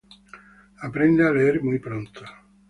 Aprende a leer muy pronto.